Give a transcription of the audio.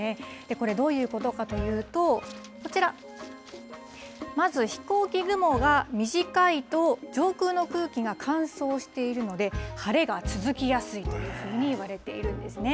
これ、どういうことかというと、こちら、まず飛行機雲が短いと、上空の空気が乾燥しているので、晴れが続きやすいというふうにいわれているんですね。